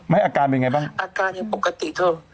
ไม่อาการเป็นอย่างไรบ้างอาการอย่างปกติเธอ